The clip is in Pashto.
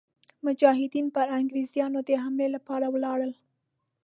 مجاهدین پر انګرېزانو د حملې لپاره ولاړل.